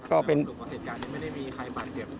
ก็เป็นเหตุการณ์ที่ไม่ได้มีใครบาดเจ็บ